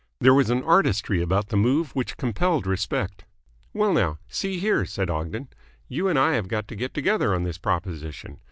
There was an artistry about the move which compelled respect. "Well, now, see here," said Ogden, "you and I have got to get together on this proposition.